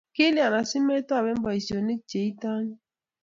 kilyan asimetoben boisionik che itanyin.